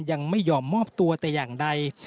ยังไม่ยอมมอบตัวแต่อย่างใด